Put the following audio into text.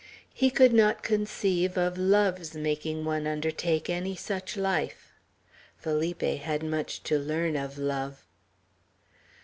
He could not conceive of love's making one undertake any such life. Felipe had much to learn of love.